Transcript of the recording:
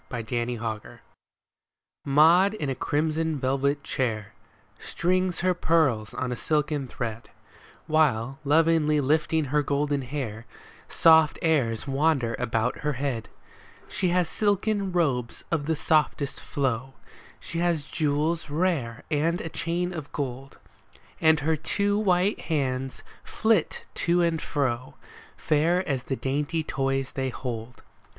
MAUD AND MADGE Maud in a crimson velvet chair Strings her pearls on a silken thread, While, lovingly lifting her golden hair, Soft airs wander about her head. She has silken robes of the softest flow, She has jewels rare and a chain of gold, And her two white hands flit to and fro. Fair as the dainty toys they hold.